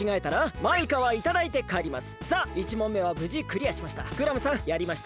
さあ１問めはぶじクリアしました。